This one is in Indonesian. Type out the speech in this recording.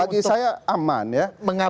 mengabaikan apa yang